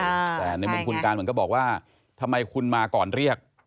แต่ในมุมคุณการเหมือนก็บอกว่าทำไมคุณมาก่อนเรียก